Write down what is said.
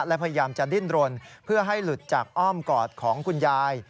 และพยายามจะดิ้นรนเพื่อให้หลุดจากอ้อมกอดของคุณยาย